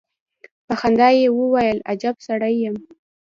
په خندا يې وويل: اجب سړی يم.